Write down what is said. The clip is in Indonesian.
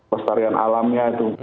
pesta rian alamnya itu